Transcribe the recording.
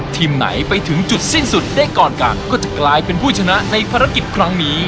ทีมไหนไปถึงจุดสิ้นสุดได้ก่อนกันก็จะกลายเป็นผู้ชนะในภารกิจครั้งนี้